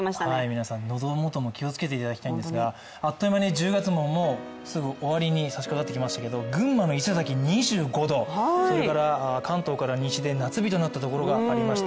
皆さん、のど元も気をつけてもらいたいんですがあっという間に１０月もすぐ終わりにさしかかってきましたけれども群馬の伊勢崎２５度、関東から西で夏日となったところがありました